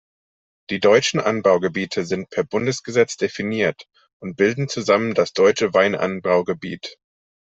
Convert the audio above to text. Die deutschen Anbaugebiete sind per Bundesgesetz definiert und bilden zusammen das "Deutsche Weinanbaugebiet".